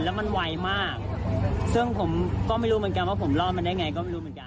แล้วมันไวมากซึ่งผมก็ไม่รู้เหมือนกันว่าผมรอมันได้ไง